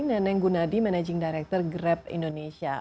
neneng gunadi managing director grab indonesia